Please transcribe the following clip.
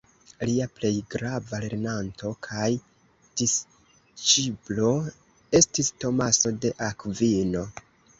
Lia plej grava lernanto kaj disĉiplo estis Tomaso de Akvino.